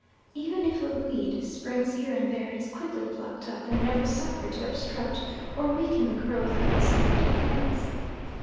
Even if a weed springs here and there, it is quickly plucked up, and never suffered to obstruct or weaken the growth of esculent plants.